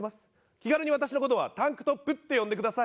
気軽に私のことはタンクトップって呼んでください。